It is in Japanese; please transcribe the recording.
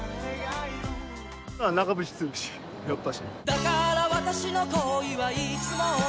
「だから私の恋はいつも」